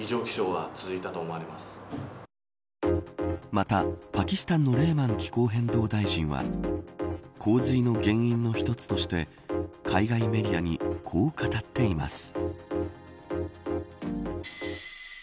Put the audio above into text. また、パキスタンのレーマン気候変動大臣大臣は洪水の原因の１つとして海外メディアにこう語っています。